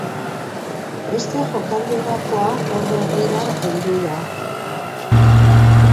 Beste jokaldi gakoa ordu erdira heldu da.